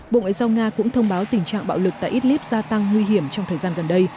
bộ ngoại giao nga cũng thông báo tình trạng bạo lực tại idlib gia tăng nguy hiểm trong thời gian gần đây